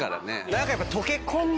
何かやっぱ。